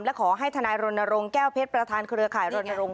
และขอให้ทนายรณรงค์แก้วเพชรประธานเครือข่ายรณรงค